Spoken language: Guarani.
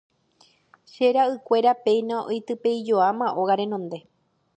Che ra'ykuéra péina oitypeijoáma óga renonde.